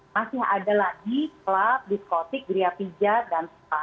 masih ada lagi club diskotik griapija dan spa